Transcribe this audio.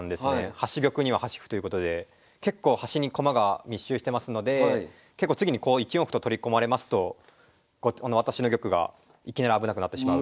端玉には端歩ということで結構端に駒が密集してますので結構次にこう１四歩と取り込まれますと私の玉がいきなり危なくなってしまう。